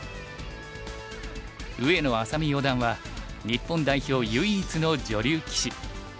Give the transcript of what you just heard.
上野愛咲美四段は日本代表唯一の女流棋士。